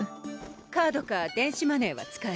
カードか電子マネーは使える？